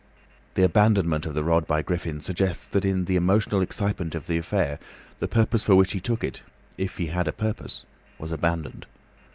The abandonment of the rod by Griffin, suggests that in the emotional excitement of the affair, the purpose for which he took it—if he had a purpose—was abandoned.